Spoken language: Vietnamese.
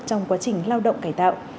trong quá trình lao động cải tạo